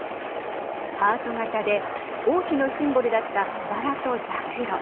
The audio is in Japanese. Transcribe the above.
ハート形で王妃のシンボルだったばらとざくろ